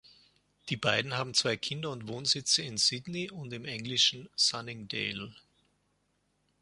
Die beiden haben zwei Kinder und Wohnsitze in Sydney und im englischen Sunningdale.